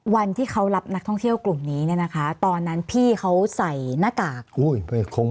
วันที่เขารับนักท่องเที่ยวกลุ่มนี้เนี่ยนะคะตอนนั้นพี่เขาใส่หน้ากาก